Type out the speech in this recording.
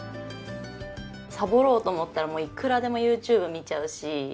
サボろうと思ったらいくらでもＹｏｕＴｕｂｅ見ちゃうし。